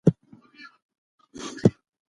مسواک د انسان عقل زیاتوي.